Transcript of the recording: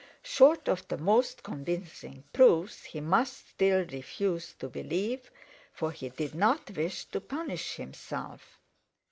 Short of the most convincing proofs he must still refuse to believe, for he did not wish to punish himself.